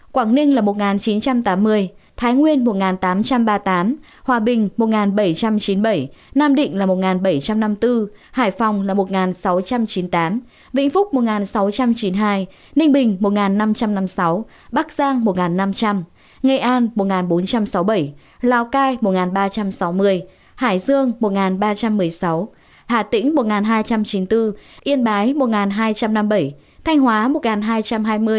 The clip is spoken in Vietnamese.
quảng ninh là một chín trăm tám mươi thái nguyên một tám trăm ba mươi tám hòa bình một bảy trăm chín mươi bảy nam định là một bảy trăm năm mươi bốn hải phòng là một sáu trăm chín mươi tám vĩnh phúc một sáu trăm chín mươi hai ninh bình một năm trăm năm mươi sáu bắc giang một năm trăm linh nghệ an một bốn trăm sáu mươi bảy lào cai một ba trăm sáu mươi hải dương một ba trăm một mươi sáu hà tĩnh một hai trăm chín mươi bốn yên bái một hai trăm năm mươi bảy thanh hóa một hai trăm hai mươi